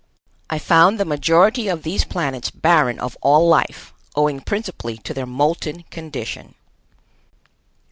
I found the majority of these planets barren of all life, owing principally to their molten condition.